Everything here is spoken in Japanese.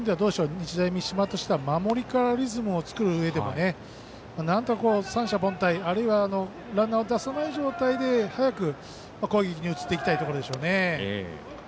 そういう面では日大三島としては守りからリズムを作るうえでもなんとか三者凡退あるいはランナーを出さない状態で早く攻撃に移っていきたいところでしょうね。